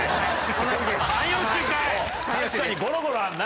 確かにゴロゴロあんな！